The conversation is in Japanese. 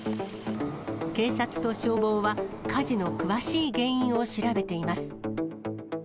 警察と消防は、火事の詳しい原因を調べています。